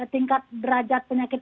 tingkat derajat penyakit